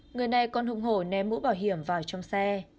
người này còn hùng hồ ném mũ bảo hiểm vào trong xe